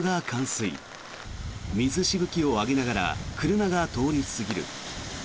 水しぶきを上げながら車が通り過ぎる。